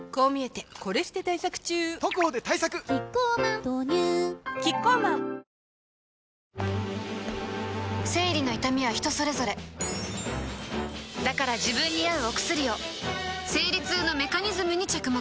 キッコーマン豆乳キッコーマン生理の痛みは人それぞれだから自分に合うお薬を生理痛のメカニズムに着目